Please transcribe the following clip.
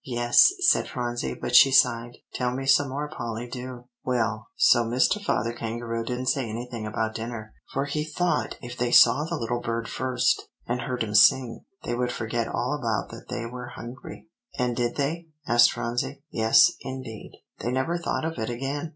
"Yes," said Phronsie, but she sighed. "Tell me some more, Polly, do." "Well, so Mr. Father Kangaroo didn't say anything about dinner; for he thought if they saw the little bird first, and heard him sing, they would forget all about that they were hungry." "And did they?" asked Phronsie. "Yes, indeed; they never thought of it again.